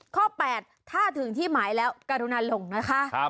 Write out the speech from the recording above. ข้อ๘ถ้าถึงที่หมายแล้วกรุณาลงนะคะ